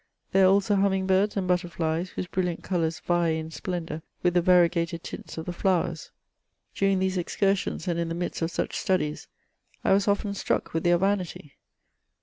There are also humming birds and butterflies, whose brilliant colours vie in splendour with the variegated tints of the flowers During these excursions, and in the midst of such studies, I was often struck with their vanity.